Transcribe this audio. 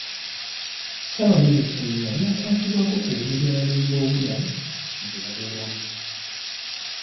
Ssaabaminisita ye yali akwatibwako ku ngeri abanoonyiboobubudamu gye babeeramu.